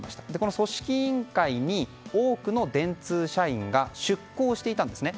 組織委員会に多くの電通社員が出向していたんですね。